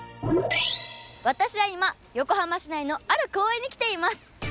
私は今横浜市内のある公園に来ています。